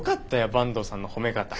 坂東さんの褒め方。